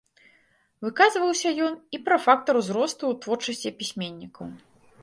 Выказваўся ён і пра фактар узросту ў творчасці пісьменнікаў.